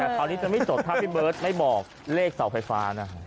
แต่คราวนี้จะไม่จดถ้าพี่เบิร์ตไม่บอกเลขเสาไฟฟ้านะฮะ